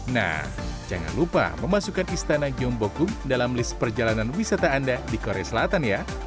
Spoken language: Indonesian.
nah jangan lupa memasukkan istana gyeongbokung dalam list perjalanan wisata anda di korea selatan ya